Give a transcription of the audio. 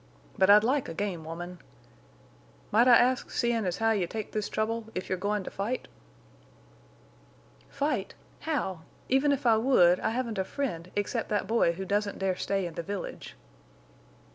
But I'd like a game woman. Might I ask, seein' as how you take this trouble, if you're goin' to fight?" "Fight! How? Even if I would, I haven't a friend except that boy who doesn't dare stay in the village."